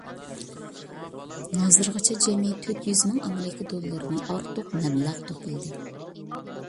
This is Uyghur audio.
ھازىرغىچە جەمئىي تۆت يۈز مىڭ ئامېرىكا دوللىرىدىن ئارتۇق مەبلەغ توپلىدى.